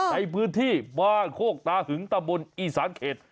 ในพื้นที่บ้านโคกตาหึงตะบนอีสานเข็ด